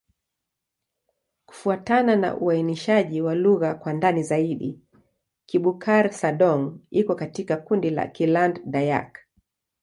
Kufuatana na uainishaji wa lugha kwa ndani zaidi, Kibukar-Sadong iko katika kundi la Kiland-Dayak.